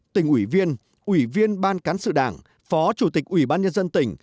tỉnh ủy viên ủy viên ban cán sự đảng phó chủ tịch ủy ban nhân dân tỉnh